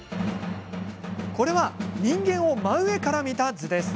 これは人間を真上から見た図です。